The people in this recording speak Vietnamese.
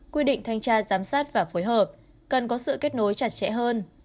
quy định thanh tra giám sát và phối hợp cần có sự kết nối chặt chẽ hơn